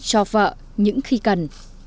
cho vợ những khi cần